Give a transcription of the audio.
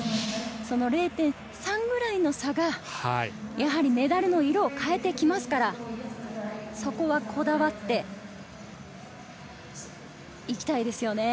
その０．３ぐらいの差がメダルの色を変えてきますから、そこはこだわって行きたいですよね。